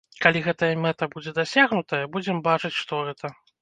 Калі гэтая мэта будзе дасягнутая, будзем бачыць, што гэта.